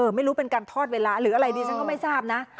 ไม่รู้เป็นการทอดเวลาหรืออะไรดิฉันก็ไม่ทราบนะ